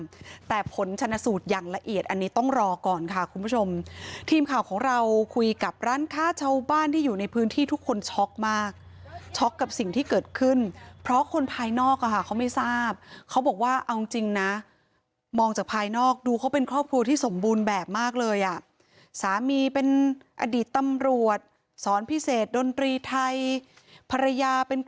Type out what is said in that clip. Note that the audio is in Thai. แต่ผลชนสูตรอย่างละเอียดอันนี้ต้องรอก่อนค่ะคุณผู้ชมทีมข่าวของเราคุยกับร้านค้าชาวบ้านที่อยู่ในพื้นที่ทุกคนช็อกมากช็อกกับสิ่งที่เกิดขึ้นเพราะคนภายนอกอ่ะค่ะเขาไม่ทราบเขาบอกว่าเอาจริงจริงนะมองจากภายนอกดูเขาเป็นครอบครัวที่สมบูรณ์แบบมากเลยอ่ะสามีเป็นอดีตตำรวจสอนพิเศษดนตรีไทยภรรยาเป็นก